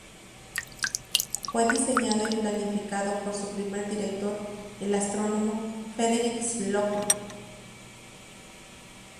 Fue diseñado y planificado por su primer director, el astrónomo Frederick Slocum.